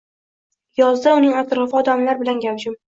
Yozda uning atrofi odamlar bilan gavjum